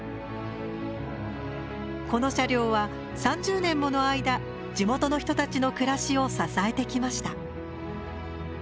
この車両は３０年もの間地元の人たちの暮らしを支えてきました。